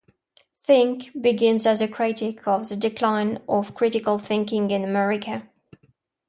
"Think" begins as a critique of the decline of critical thinking in America.